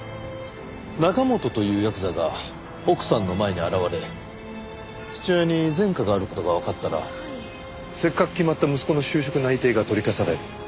中本というヤクザが奥さんの前に現れ父親に前科がある事がわかったらせっかく決まった息子の就職内定が取り消される。